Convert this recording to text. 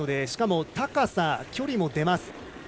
しかも高さ、距離も出ます。